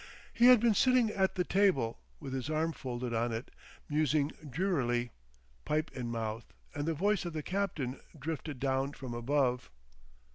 He had been sitting at the table with his arms folded on it, musing drearily, pipe in mouth, and the voice of the captain drifted down from above.